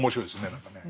何かね。